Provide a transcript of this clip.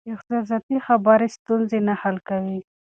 احساساتي خبرې ستونزې نه حل کوي.